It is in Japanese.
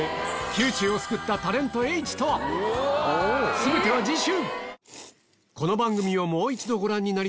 全ては次週！